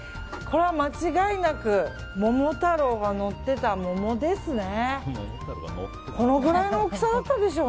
これは間違いなく桃太郎が乗っていた桃ですね。